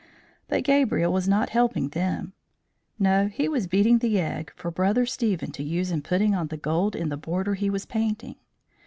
But Gabriel was not helping them; no, he was beating the egg for Brother Stephen to use in putting on the gold in the border he was painting.